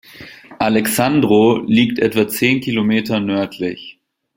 Alexandrow liegt etwa zehn Kilometer nördlich.